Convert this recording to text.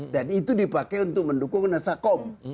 dan itu dipakai untuk mendukung nesakom